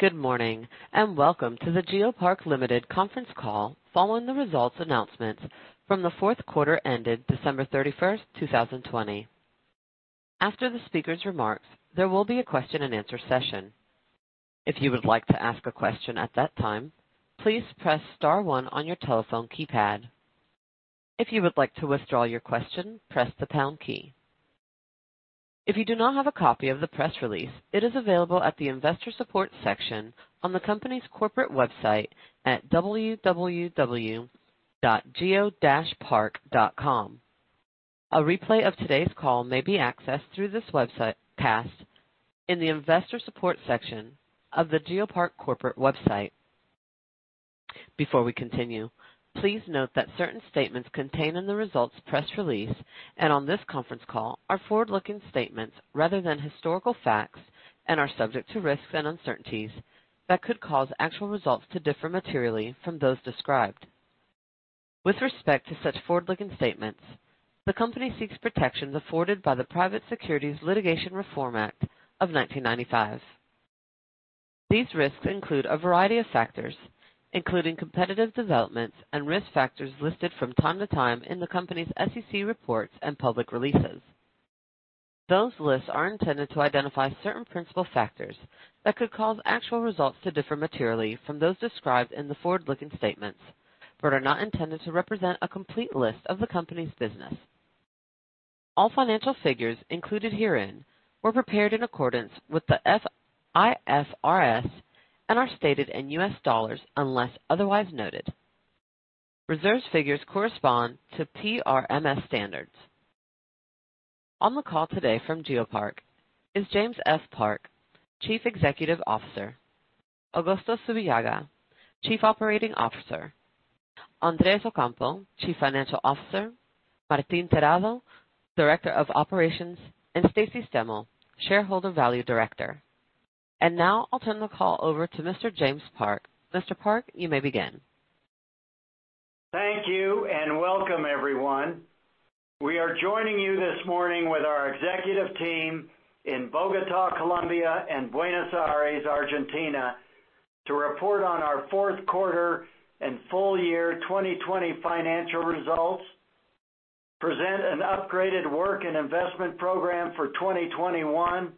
Good morning, and welcome to the GeoPark Limited conference call following the results announcement from the fourth quarter ended December 31st, 2020. After the speaker's remarks, there will be a question and answer session. If you would like to ask a question at that time, please press star one on your telephone keypad. If you would like to withdraw your question, press the pound key. If you do not have a copy of the press release, it is available at the investor support section on the company's corporate website at www.geopark.com. A replay of today's call may be accessed through this website, passed in the investor support section of the GeoPark corporate website. Before we continue, please note that certain statements contained in the results press release and on this conference call are forward-looking statements rather than historical facts and are subject to risks and uncertainties that could cause actual results to differ materially from those described. With respect to such forward-looking statements, the company seeks protection afforded by the Private Securities Litigation Reform Act of 1995. These risks include a variety of factors, including competitive developments and risk factors listed from time to time in the company's SEC reports and public releases. Those lists are intended to identify certain principal factors that could cause actual results to differ materially from those described in the forward-looking statements, but are not intended to represent a complete list of the company's business. All financial figures included herein were prepared in accordance with the IFRS and are stated in US dollars unless otherwise noted. Reserves figures correspond to PRMS standards. On the call today from GeoPark is James F. Park, Chief Executive Officer, Augusto Zubillaga, Chief Operating Officer, Andrés Ocampo, Chief Financial Officer, Martín Terrado, Director of Operations, and Stacy Steimel, Shareholder Value Director. Now I'll turn the call over to Mr. James Park. Mr. Park, you may begin. Thank you, and welcome, everyone. We are joining you this morning with our executive team in Bogotá, Colombia, and Buenos Aires, Argentina to report on our fourth quarter and full year 2020 financial results, present an upgraded work and investment program for 2021,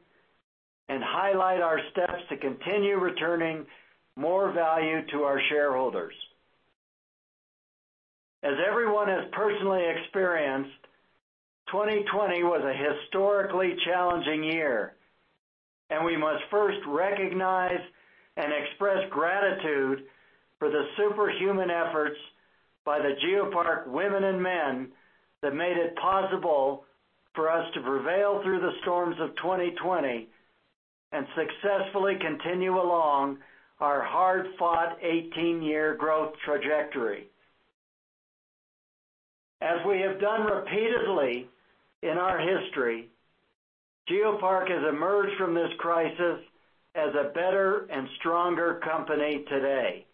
and highlight our steps to continue returning more value to our shareholders. As everyone has personally experienced, 2020 was a historically challenging year, and we must first recognize and express gratitude for the superhuman efforts by the GeoPark women and men that made it possible for us to prevail through the storms of 2020 and successfully continue along our hard-fought 18-year growth trajectory. As we have done repeatedly in our history, GeoPark has emerged from this crisis as a better and stronger company today.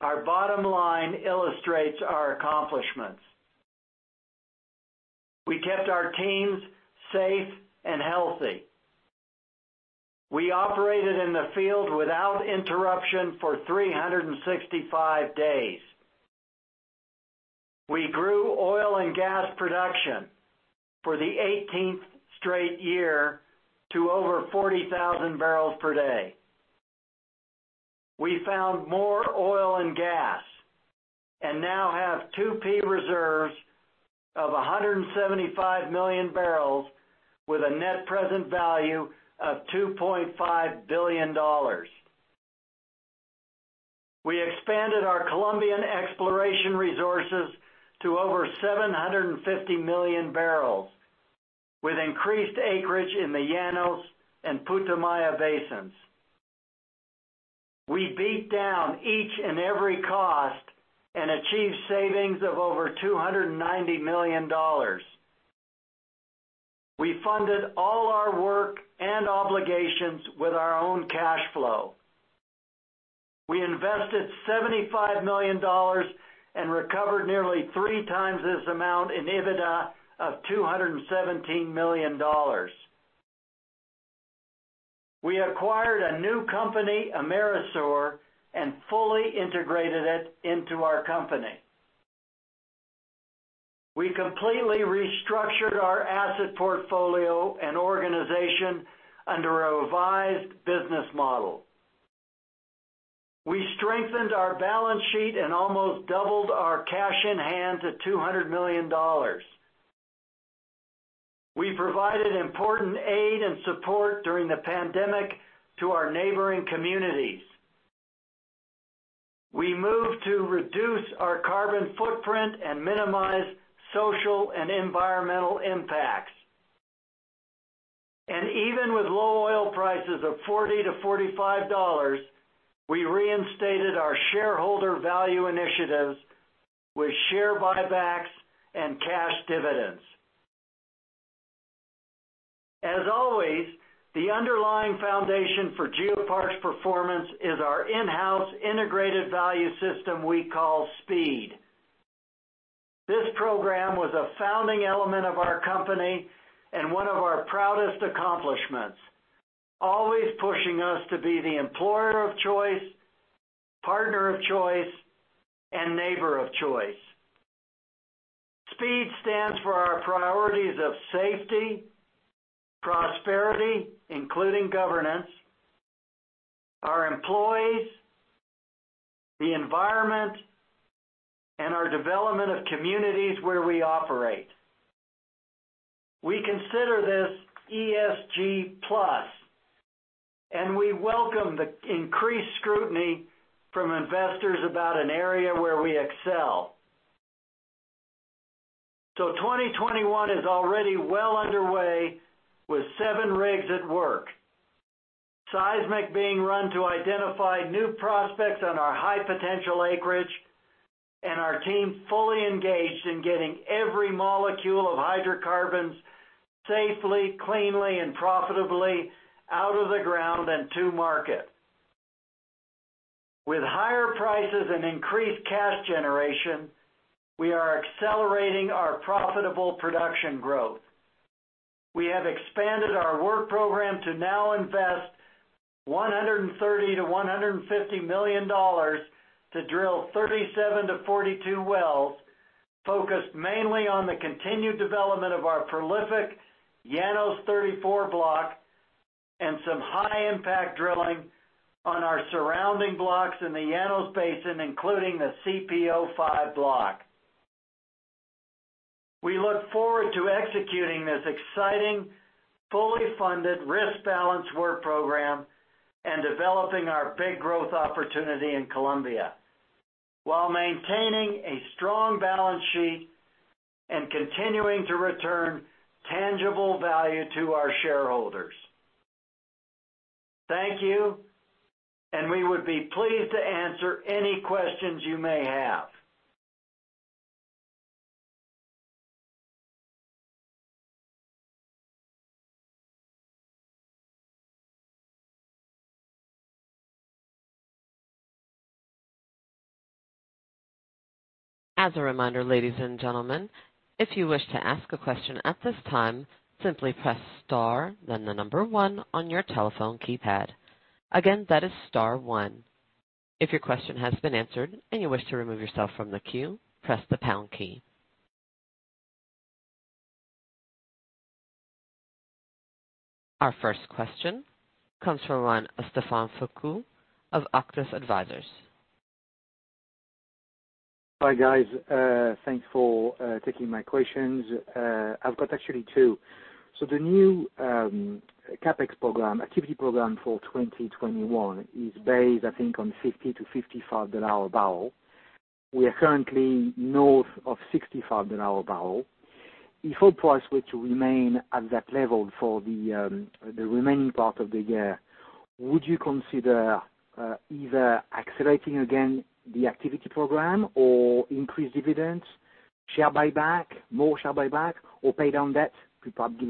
Our bottom line illustrates our accomplishments. We kept our teams safe and healthy. We operated in the field without interruption for 365 days. We grew oil and gas production for the 18th straight year to over 40,000 bbl per day. We found more oil and gas and now have 2P reserves of 175 MMbbl with a net present value of $2.5 billion. We expanded our Colombian exploration resources to over 750 MMbbl with increased acreage in the Llanos and Putumayo Basins. We beat down each and every cost and achieved savings of over $290 million. We funded all our work and obligations with our own cash flow. We invested $75 million and recovered nearly three times this amount in EBITDA of $217 million. We acquired a new company, Amerisur, and fully integrated it into our company. We completely restructured our asset portfolio and organization under a revised business model. We strengthened our balance sheet and almost doubled our cash in hand to $200 million. We provided important aid and support during the pandemic to our neighboring communities. We moved to reduce our carbon footprint and minimize social and environmental impacts. Even with low oil prices of $40-$45, we reinstated our shareholder value initiatives with share buybacks and cash dividends. As always, the underlying foundation for GeoPark's performance is our in-house integrated value system we call SPEED. This program was a founding element of our company and one of our proudest accomplishments, always pushing us to be the employer of choice, partner of choice, and neighbor of choice. SPEED stands for our priorities of safety, prosperity, including governance, our employees, the environment, and our development of communities where we operate. We consider this ESG+, and we welcome the increased scrutiny from investors about an area where we excel. 2021 is already well underway with seven rigs at work, seismic being run to identify new prospects on our high-potential acreage, and our team fully engaged in getting every molecule of hydrocarbons safely, cleanly, and profitably out of the ground and to market. With higher prices and increased cash generation, we are accelerating our profitable production growth. We have expanded our work program to now invest $130 million-$150 million to drill 37-42 wells, focused mainly on the continued development of our prolific Llanos 34 block and some high-impact drilling on our surrounding blocks in the Llanos Basin, including the CPO-5 block. We look forward to executing this exciting, fully funded, risk-balanced work program and developing our big growth opportunity in Colombia while maintaining a strong balance sheet and continuing to return tangible value to our shareholders. Thank you. We would be pleased to answer any questions you may have. As a reminder, ladies and gentlemen, if you wish to ask a question at this time, simply press star then the number one on your telephone keypad. Again, that is star one. If your question has been answered and you wish to remove yourself from the queue, press the pound key. Our first question comes from the line of Stephane Foucaud of Auctus Advisors. Hi, guys. Thanks for taking my questions. I've got actually two. The new CapEx program, activity program for 2021 is based, I think, on $50-$55 a barrel. We are currently north of $65 a barrel. If oil price were to remain at that level for the remaining part of the year, would you consider either accelerating again the activity program or increase dividends, share buyback, more share buyback, or pay down debt? Perhaps give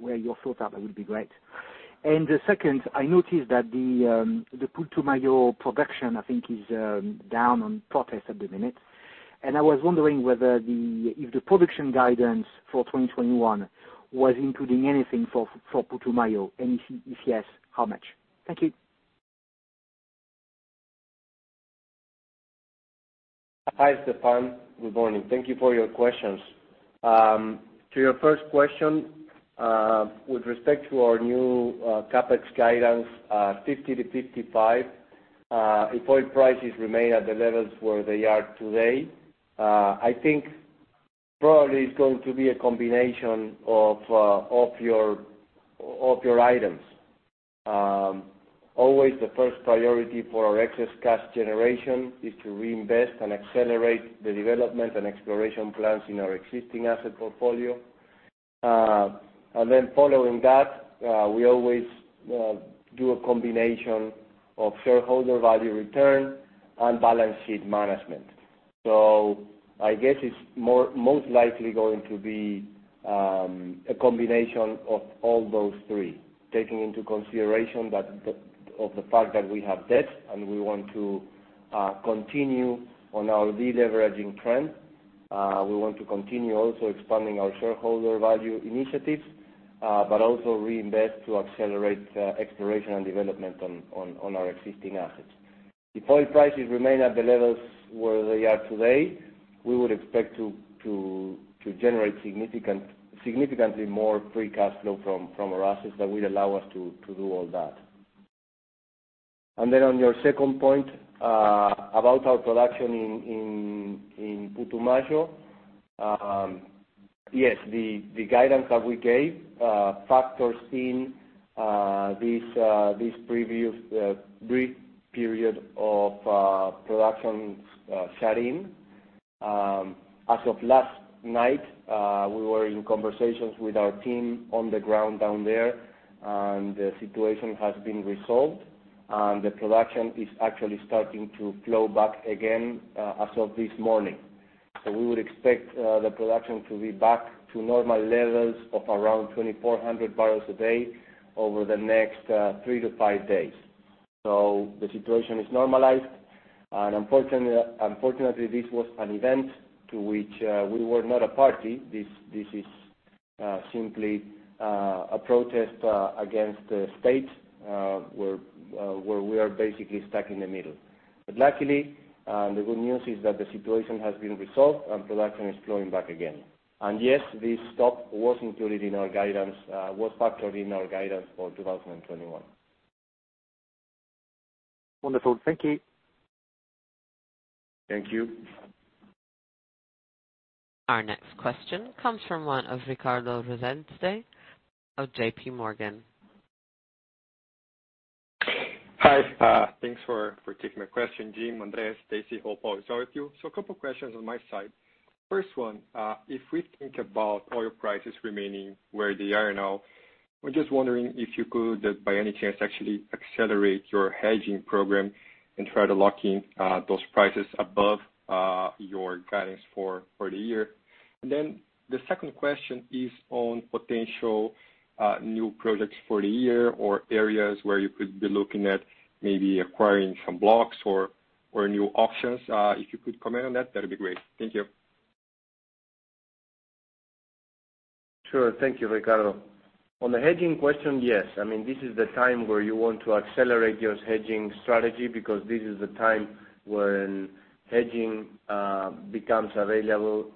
where your thoughts are, that would be great. The second, I noticed that the Putumayo production, I think is down on protests at the minute, and I was wondering whether if the production guidance for 2021 was including anything for Putumayo, and if yes, how much? Thank you. Hi, Stephane. Good morning. Thank you for your questions. To your first question with respect to our new CapEx guidance, $50-$55. If oil prices remain at the levels where they are today, I think probably it's going to be a combination of your items. Always the first priority for our excess cash generation is to reinvest and accelerate the development and exploration plans in our existing asset portfolio. Following that, we always do a combination of shareholder value return and balance sheet management. I guess it's most likely going to be a combination of all those three, taking into consideration of the fact that we have debt, and we want to continue on our de-leveraging trend. We want to continue also expanding our shareholder value initiatives, but also reinvest to accelerate exploration and development on our existing assets. If oil prices remain at the levels where they are today, we would expect to generate significantly more free cash flow from our assets that will allow us to do all that. Then on your second point, about our production in Putumayo. Yes, the guidance that we gave factors in this brief period of production shut-in. As of last night, we were in conversations with our team on the ground down there, and the situation has been resolved, and the production is actually starting to flow back again as of this morning. We would expect the production to be back to normal levels of around 2,400 bbl a day over the next three to five days. The situation is normalized, and unfortunately, this was an event to which we were not a party. This is simply a protest against the state, where we are basically stuck in the middle. Luckily, the good news is that the situation has been resolved, and production is flowing back again. Yes, this stop was included in our guidance, was factored in our guidance for 2021. Wonderful. Thank you. Thank you. Our next question comes from the line of Ricardo Rezende of JPMorgan. Hi. Thanks for taking my question, Jim, Andrés, Stacy, hope all is well with you. Couple of questions on my side. First one, if we think about oil prices remaining where they are now, I'm just wondering if you could, by any chance, actually accelerate your hedging program and try to lock in those prices above your guidance for the year. The second question is on potential new projects for the year or areas where you could be looking at maybe acquiring some blocks or new options. If you could comment on that'd be great. Thank you. Sure. Thank you, Ricardo. On the hedging question, yes. This is the time where you want to accelerate your hedging strategy because this is the time when hedging becomes available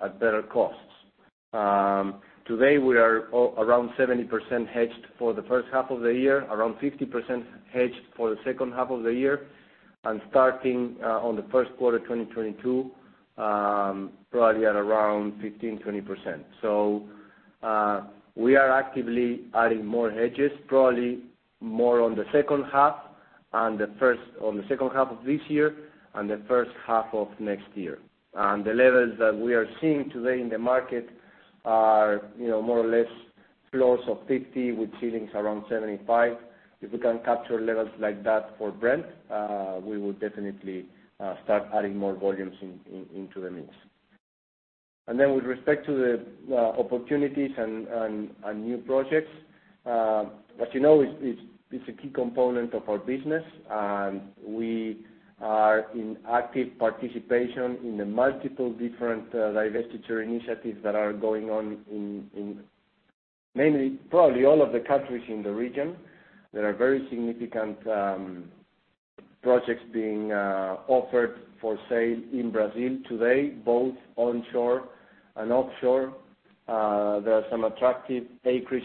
at better costs. Today, we are around 70% hedged for the first half of the year, around 50% hedged for the second half of the year, and starting on the first quarter 2022, probably at around 15%-20%. We are actively adding more hedges, probably more on the second half of this year and the first half of next year. The levels that we are seeing today in the market are more or less floors of $50 with ceilings around $75. If we can capture levels like that for Brent, we will definitely start adding more volumes into the mix. With respect to the opportunities and new projects, as you know, it's a key component of our business. We are in active participation in the multiple different divestiture initiatives that are going on in mainly, probably all of the countries in the region. There are very significant projects being offered for sale in Brazil today, both onshore and offshore. There are some attractive acreage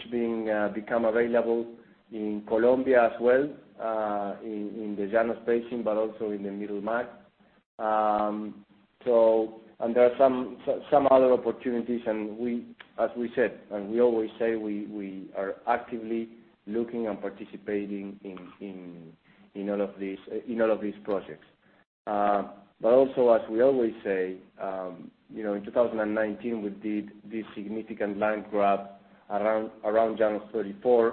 become available in Colombia as well, in the Llanos Basin, but also in the Middle Magdalena. There are some other opportunities, and as we said, and we always say, we are actively looking and participating in all of these projects. As we always say, in 2019, we did this significant land grab around Llanos-34,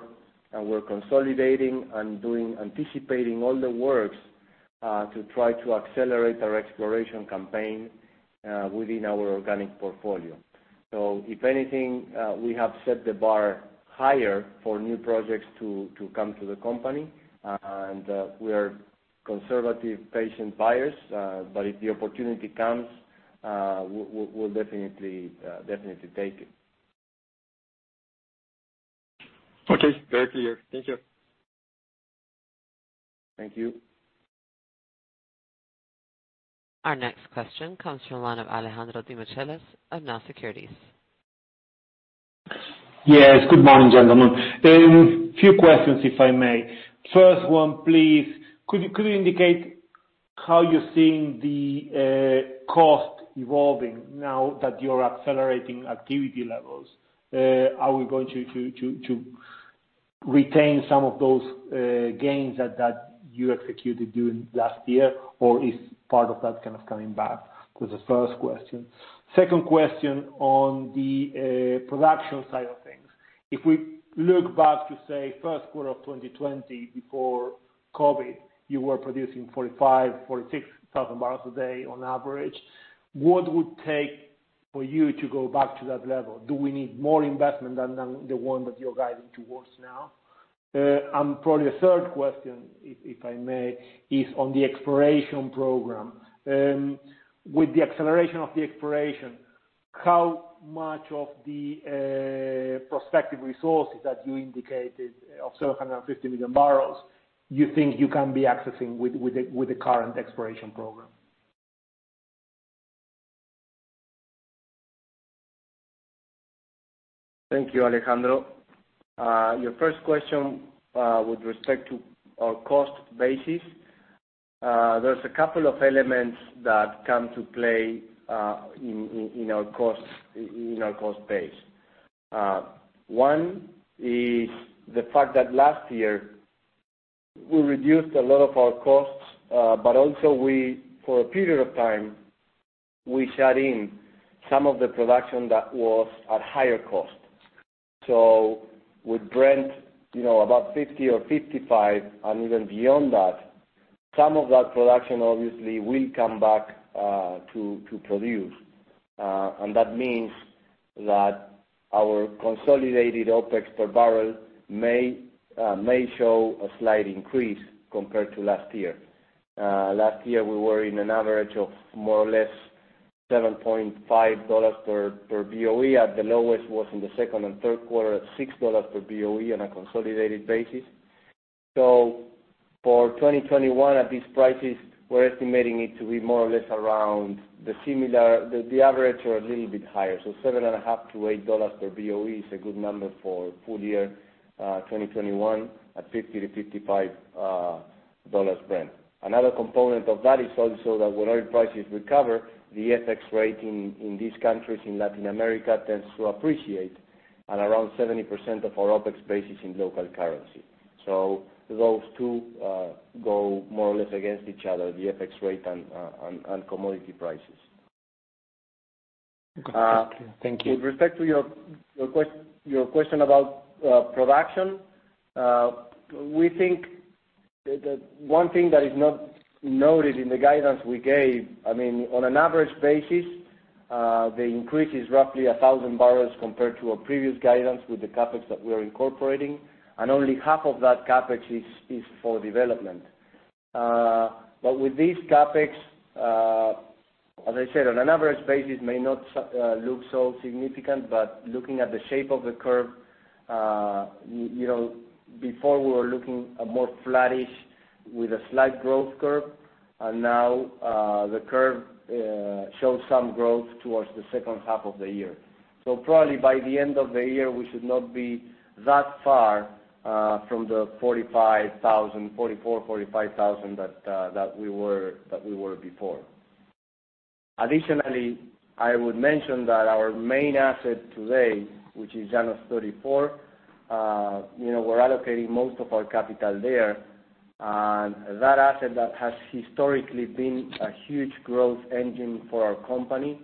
and we're consolidating and anticipating all the works to try to accelerate our exploration campaign within our organic portfolio. If anything, we have set the bar higher for new projects to come to the company, and we are conservative, patient buyers, but if the opportunity comes, we'll definitely take it. Okay. Very clear. Thank you. Thank you. Our next question comes from the line of Alejandro Demichelis of Nau Securities. Yes. Good morning, gentlemen. A few questions, if I may. First one, please, could you indicate how you're seeing the cost evolving now that you're accelerating activity levels? Are we going to retain some of those gains that you executed during last year, or is part of that kind of coming back? That's the first question. Second question on the production side of things. If we look back to, say, first quarter of 2020 before COVID, you were producing 45,000, 46,000 barrels a day on average. What would it take for you to go back to that level? Do we need more investment than the one that you're guiding towards now? Probably a third question, if I may, is on the exploration program. With the acceleration of the exploration, how much of the prospective resources that you indicated of 750 MMbbl you think you can be accessing with the current exploration program? Thank you, Alejandro. Your first question with respect to our cost basis. There is a couple of elements that come to play in our cost base. One is the fact that last year we reduced a lot of our costs, but also for a period of time, we shut in some of the production that was at higher cost. With Brent about 50 or 55, and even beyond that. Some of that production obviously will come back to produce. That means that our consolidated OPEX per barrel may show a slight increase compared to last year. Last year, we were in an average of more or less $7.5 per BOE. At the lowest was in the second and third quarter at $6 per BOE on a consolidated basis. For 2021, at these prices, we're estimating it to be more or less around the similar, the average or a little bit higher. $7.50-$8 per BOE is a good number for full year 2021 at $50-$55 Brent. Another component of that is also that when oil prices recover, the FX rate in these countries in Latin America tends to appreciate at around 70% of our OPEX base is in local currency. Those two go more or less against each other, the FX rate and commodity prices. Okay. Thank you. With respect to your question about production. We think that one thing that is not noted in the guidance we gave, on an average basis, the increase is roughly 1,000 barrels compared to our previous guidance with the CapEx that we are incorporating, and only half of that CapEx is for development. With this CapEx, as I said, on an average basis may not look so significant, but looking at the shape of the curve, before we were looking more flattish with a slight growth curve, and now, the curve shows some growth towards the second half of the year. Probably by the end of the year, we should not be that far from the 44,000, 45,000 that we were before. Additionally, I would mention that our main asset today, which is Llanos-34, we're allocating most of our capital there. That asset that has historically been a huge growth engine for our company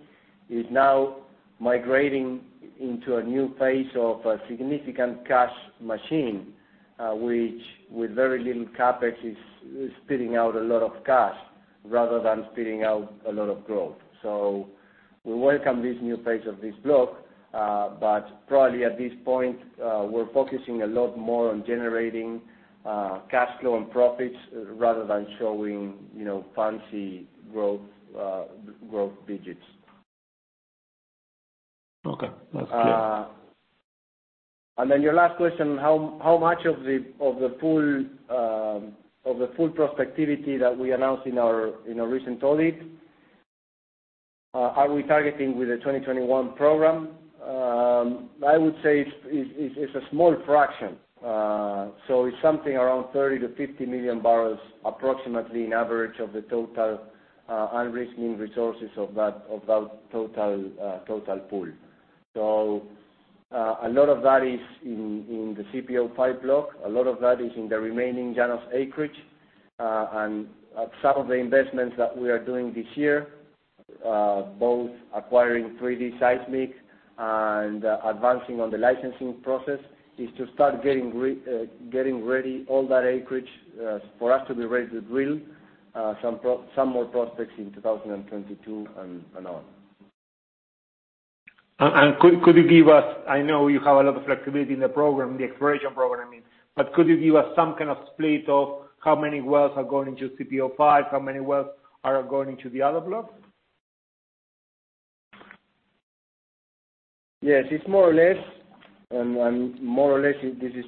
is now migrating into a new phase of a significant cash machine, which with very little CapEx, is spitting out a lot of cash rather than spitting out a lot of growth. We welcome this new phase of this block. Probably at this point, we're focusing a lot more on generating cash flow and profits rather than showing fancy growth digits. Okay. That's clear. Your last question, how much of the full prospectivity that we announced in our recent audit are we targeting with the 2021 program? I would say it's a small fraction. It's something around 30 MMbbl-50 MMbbl, approximately an average of the total unrisked resources of that total pool. A lot of that is in the CPO-5 block. A lot of that is in the remaining Llanos acreage. Some of the investments that we are doing this year, both acquiring 3D seismic and advancing on the licensing process, is to start getting ready all that acreage for us to be ready to drill some more prospects in 2022 and on. Could you give us, I know you have a lot of flexibility in the program, the exploration program, I mean, could you give us some kind of split of how many wells are going into CPO-5, how many wells are going to the other blocks? Yes, it's more or less, and more or less, this is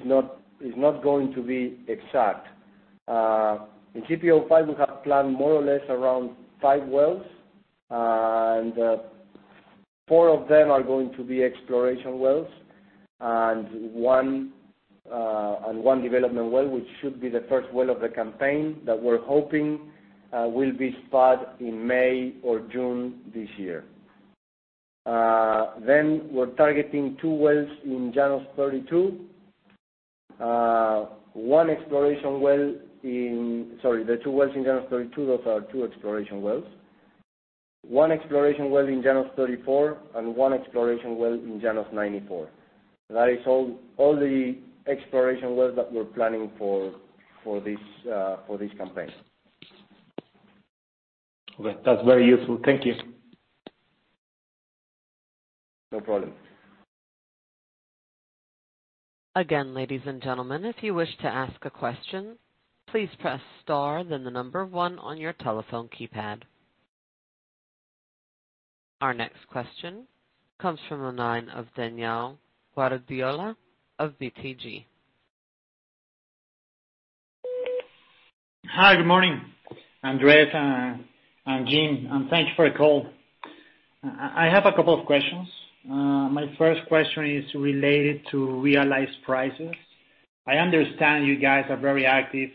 not going to be exact. In CPO-5, we have planned more or less around five wells, and four of them are going to be exploration wells and one development well, which should be the first well of the campaign that we're hoping will be spud in May or June this year. We're targeting two wells in Llanos-32. One exploration well in Sorry, the two wells in Llanos-32, those are two exploration wells. One exploration well in Llanos-34, and one exploration well in Llanos-94. That is all the exploration wells that we're planning for this campaign. Okay. That's very useful. Thank you. No problem. Again, ladies and gentlemen, if you wish to ask a question, please press star then the number one on your telephone keypad. Our next question comes from the line of Daniel Guardiola of BTG. Hi, good morning, Andrés and Jim, thank you for the call. I have a couple of questions. My first question is related to realized prices. I understand you guys are very active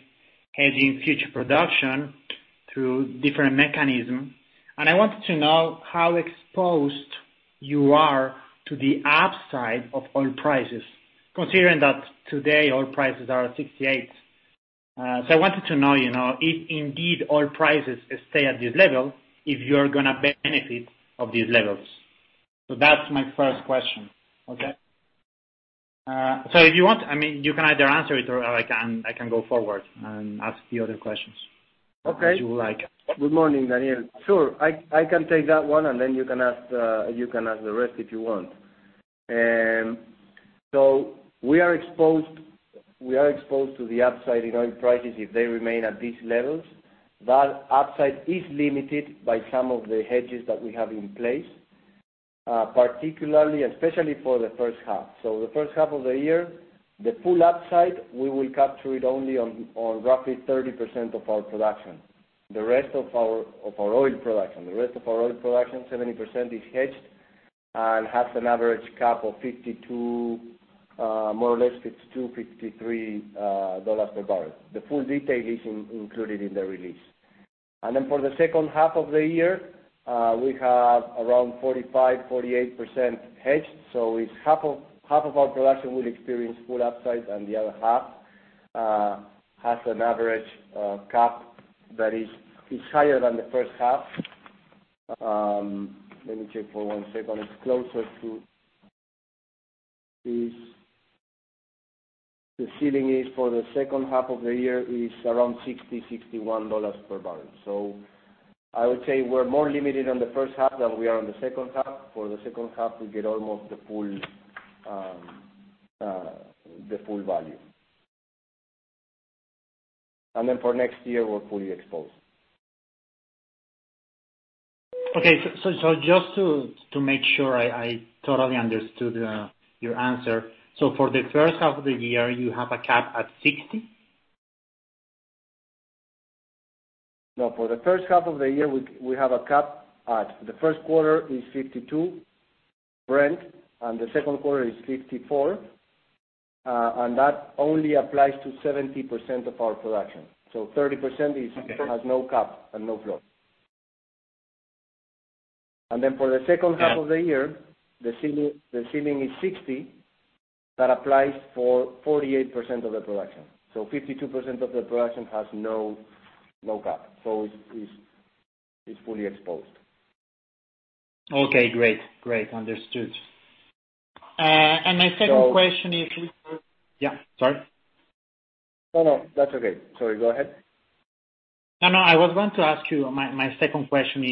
hedging future production through different mechanisms. I wanted to know how exposed you are to the upside of oil prices, considering that today oil prices are at $68. I wanted to know, if indeed oil prices stay at this level, if you're going to benefit of these levels. That's my first question. Okay. If you want, you can either answer it or I can go forward and ask the other questions as you like. Okay. Good morning, Daniel. Sure, I can take that one, and then you can ask the rest if you want. We are exposed to the upside in oil prices if they remain at these levels. That upside is limited by some of the hedges that we have in place, particularly especially for the first half. The first half of the year, the full upside, we will capture it only on roughly 30% of our production. The rest of our oil production, 70% is hedged and has an average cap of more or less $52, $53 per barrel. The full detail is included in the release. For the second half of the year, we have around 45, 48% hedged. Half of our production will experience full upside, and the other half has an average cap that is higher than the first half. Let me check for one second. The ceiling for the second half of the year is around $60, $61 per barrel. I would say we're more limited on the first half than we are on the second half. For the second half, we get almost the full value. For next year, we're fully exposed. Okay. Just to make sure I totally understood your answer. For the first half of the year, you have a cap at $60? No. For the first half of the year, we have a cap at the first quarter is 52 Brent, and the second quarter is 54. That only applies to 70% of our production. 30% has no cap and no floor. Then for the second half of the year, the ceiling is 60. That applies for 48% of the production. 52% of the production has no cap. It's fully exposed. Okay, great. Understood. My second question is. So- Yeah, sorry. No, that's okay. Sorry, go ahead. No, I was going to ask you, my second question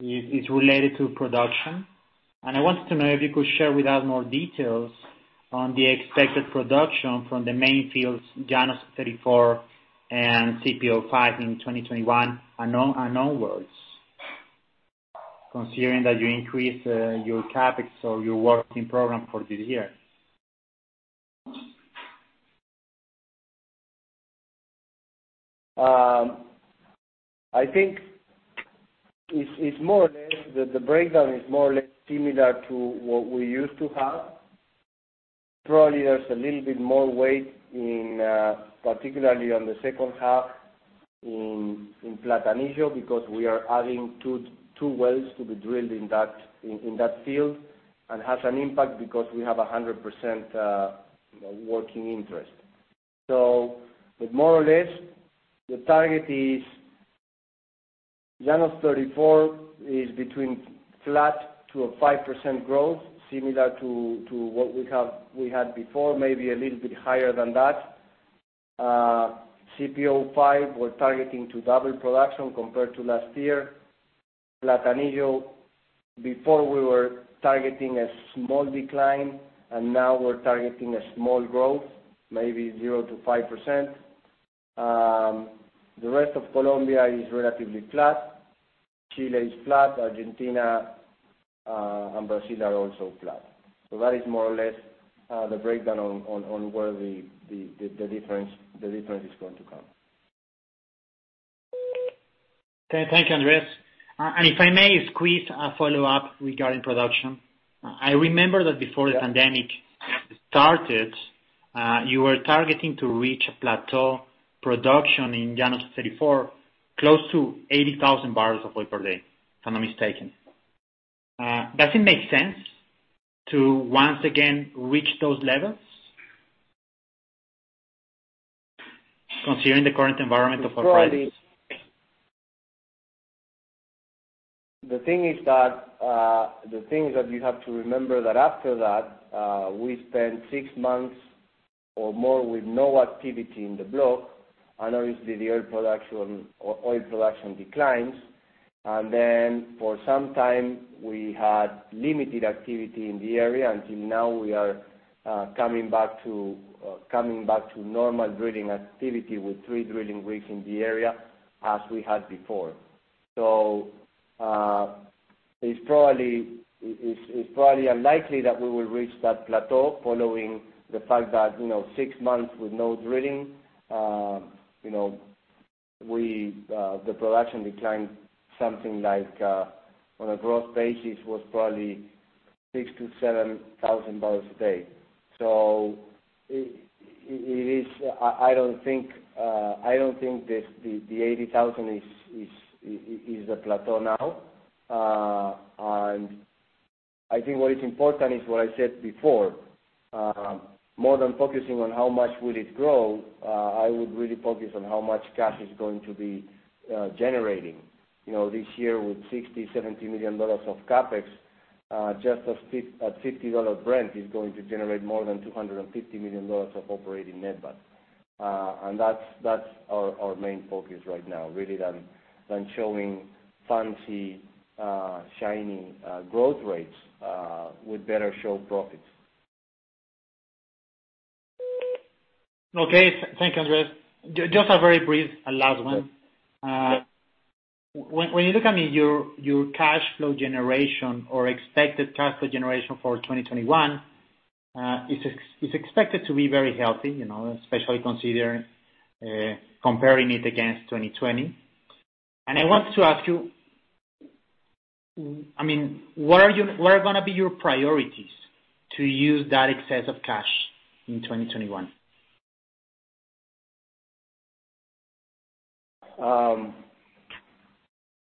is related to production. I wanted to know if you could share with us more details on the expected production from the main fields, Llanos 34 and CPO 5 in 2021 and onwards, considering that you increased your CapEx or your working program for this year. I think the breakdown is more or less similar to what we used to have. Probably there's a little bit more weight, particularly on the second half in Platanillo, because we are adding two wells to be drilled in that field and has an impact because we have 100% working interest. More or less, the target is Llanos 34 is between flat to a 5% growth, similar to what we had before, maybe a little bit higher than that. CPO 5, we're targeting to double production compared to last year. Platanillo, before we were targeting a small decline, and now we're targeting a small growth, maybe 0%-5%. The rest of Colombia is relatively flat. Chile is flat. Argentina, and Brazil are also flat. That is more or less, the breakdown on where the difference is going to come. Thank you, Andrés. If I may squeeze a follow-up regarding production. I remember that before the pandemic started, you were targeting to reach a plateau production in Llanos 34, close to 80,000 bbl of oil per day, if I'm not mistaken. Does it make sense to once again reach those levels considering the current environment of oil prices? The thing is that you have to remember that after that, we spent six months or more with no activity in the block. Obviously the oil production declines. For some time, we had limited activity in the area. Until now we are coming back to normal drilling activity with three drilling rigs in the area as we had before. It's probably unlikely that we will reach that plateau following the fact that six months with no drilling, the production declined something like, on a gross basis, was probably six to $7,000 a day. I don't think the 80,000 bbl is the plateau now. I think what is important is what I said before. More than focusing on how much will it grow, I would really focus on how much cash is going to be generating. This year with $60, $70 million of CapEx, just a $50 Brent is going to generate more than $250 million of operating netback. That's our main focus right now, really, than showing fancy, shiny growth rates. We'd better show profits. Okay. Thank you, Andrés. Just a very brief last one. Yeah. When you look at your cash flow generation or expected cash flow generation for 2021, it's expected to be very healthy, especially comparing it against 2020. I want to ask you, what are going to be your priorities to use that excess of cash in 2021?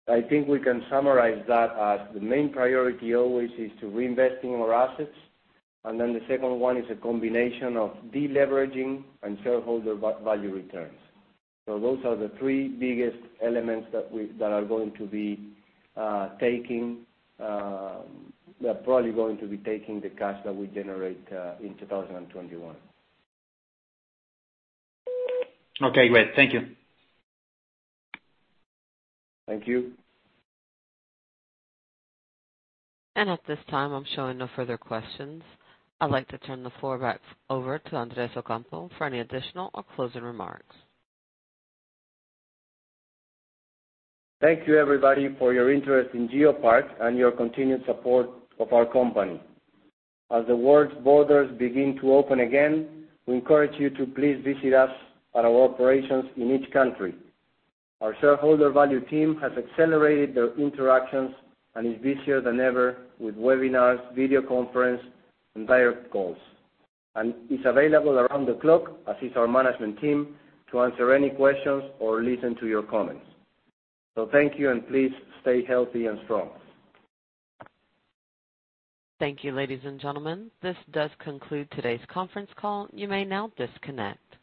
I think we can summarize that as the main priority always is to reinvest in our assets. The second one is a combination of de-leveraging and shareholder value returns. Those are the three biggest elements that are probably going to be taking the cash that we generate in 2021. Okay, great. Thank you. Thank you. At this time, I'm showing no further questions. I'd like to turn the floor back over to Andrés Ocampo for any additional or closing remarks. Thank you everybody for your interest in GeoPark and your continued support of our company. As the world's borders begin to open again, we encourage you to please visit us at our operations in each country. Our shareholder value team has accelerated their interactions and is busier than ever with webinars, video conference, and direct calls and is available around the clock, as is our management team, to answer any questions or listen to your comments. Thank you, and please stay healthy and strong. Thank you, ladies and gentlemen. This does conclude today's conference call. You may now disconnect.